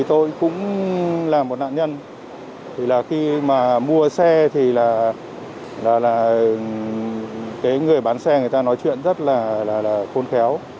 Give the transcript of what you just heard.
tôi cũng làm một nạn nhân thì là khi mà mua xe thì là cái người bán xe người ta nói chuyện rất là khôn khéo